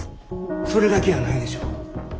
それだけやないでしょう。